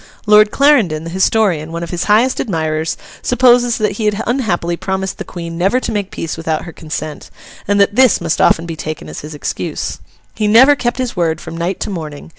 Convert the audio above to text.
Lord Clarendon, the historian, one of his highest admirers, supposes that he had unhappily promised the Queen never to make peace without her consent, and that this must often be taken as his excuse. He never kept his word from night to morning.